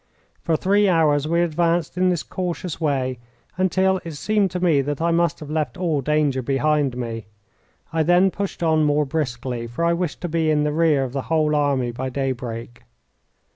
For three hours we advanced in this cautious way, until it seemed to me that I must have left all danger behind me. I then pushed on more briskly, for I wished to be in the rear of the whole army by daybreak.